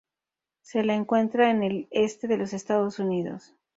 Se la encuentra en el este de Estados Unidos.